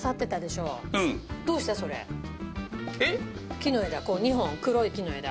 木の枝２本黒い木の枝。